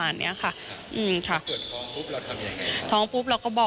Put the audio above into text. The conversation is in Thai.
อ่าเดี๋ยวฟองดูนะครับไม่เคยพูดนะครับ